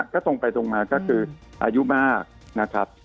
ก็ตรงไปตรงมาก็คืออายุมากนะครับ